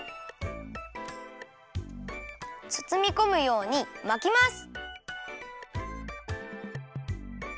つつみこむようにまきます！